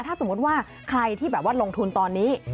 ถ้าสมมุติว่าใครที่แบบว่าลงทุนตอนนี้